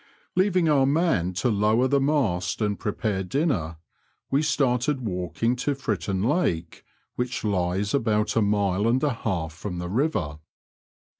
Leaving our man to lower the mast and prepare dinner, we started walking to Fritton Lake, which hes about a mile and a half from the river.